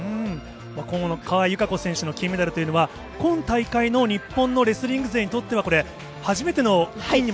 この川井友香子選手の金メダルというのは、今大会の日本のレスリング勢にとっては、これ、そうですね。